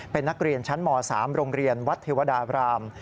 เป็นนักเรียนชั้นม๓โรงเรียนวัดเทวดาบราม